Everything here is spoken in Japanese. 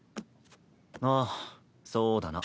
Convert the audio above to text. ああそうだな。